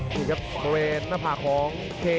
นี่ครับบริเวณหน้าผากของเท